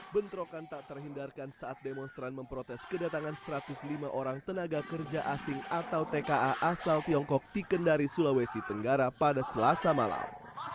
bentrokan tak terhindarkan saat demonstran memprotes kedatangan satu ratus lima orang tenaga kerja asing atau tka asal tiongkok di kendari sulawesi tenggara pada selasa malam